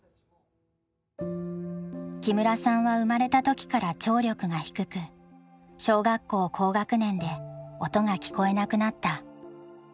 木村さんは生まれた時から聴力が低く小学校高学年で音が聞こえなくなった。